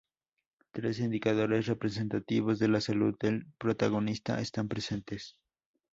Tres indicadores representativos de la salud del protagonista están presentes.